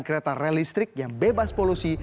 kereta rel listrik yang bebas polusi